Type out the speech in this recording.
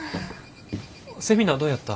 セミナーどやった？